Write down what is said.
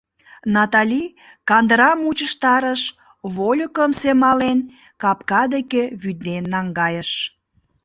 Натали кандырам мучыштарыш, вольыкым семален, капка деке вӱден наҥгайыш.